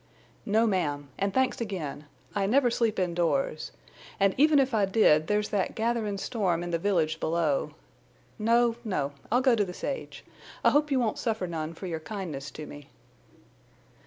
"No, ma'am, an' thanks again. I never sleep indoors. An' even if I did there's that gatherin' storm in the village below. No, no. I'll go to the sage. I hope you won't suffer none for your kindness to me."